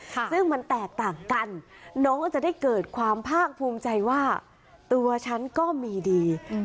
ซึ่งมันแตกต่างกันน้องก็จะได้เกิดความภาคภูมิใจว่าตัวฉันก็มีดีอืม